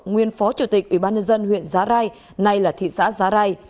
nguyên phó chủ tịch ủy ban nhân dân huyện giá rai nay là thị xã giá rai